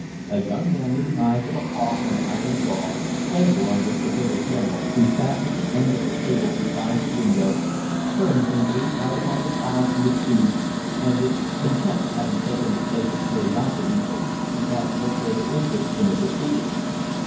A young man, with the eyes of a hawk and an iron jaw, Clayborne, the surveyor general, who sat at the end of the table beside the window, turned and gazed out upon the clouds and the sea, as if, contempt having taken the place of curiosity, he had no further interest in the proceedings.